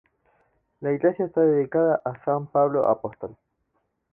La iglesia está dedicada a san Pedro apóstol.